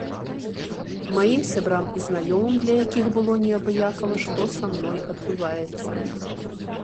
Маім сябрам і знаёмым, для якіх было неабыякава, што са мной адбываецца.